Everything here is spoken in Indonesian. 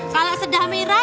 kalau sedah merah